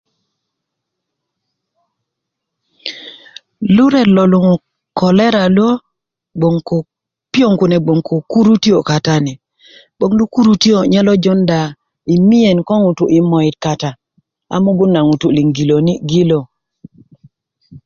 lu ret lo luŋu kolera lo gboŋ ko piyong kune gboŋ ko kurutiyo' katani 'bong lo kurutio nye lo jowonda yi miyen ŋutu' yi moyit kata a mugon na ŋutu' na ling gilöni'gilö